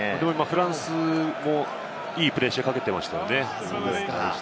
フランスもいいプレッシャーをかけていましたよね。